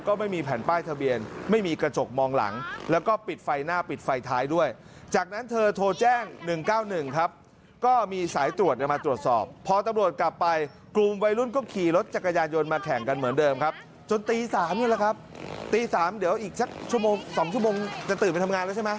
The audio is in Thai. คุณพี่จักรยานยนต์มาแข่งกันเหมือนเดิมครับจนตี๓นี่แหละครับตี๓เดี๋ยวอีกสักชั่วโมง๒ชั่วโมงจะตื่นไปทำงานแล้วใช่ไหม